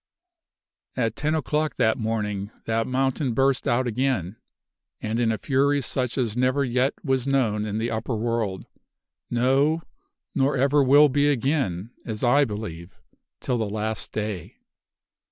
"At ten o'clock that morning that mountain burst out again, and in a fury such as never yet was known in the upper world no, nor ever will be again, as I believe, till the last day.